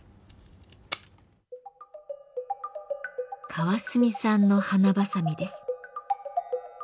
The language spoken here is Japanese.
川澄さんの花ばさみです。